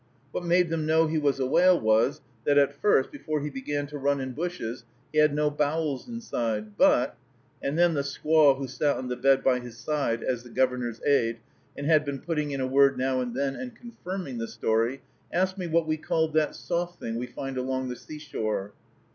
What made them know he was a whale was, that at first, before he began to run in bushes, he had no bowels inside, but" and then the squaw who sat on the bed by his side, as the Governor's aid, and had been putting in a word now and then and confirming the story, asked me what we called that soft thing we find along the seashore.